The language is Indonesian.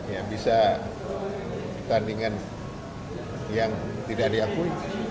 ya bisa pertandingan yang tidak diakui